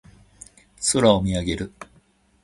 空を見上げる。